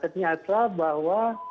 artinya adalah bahwa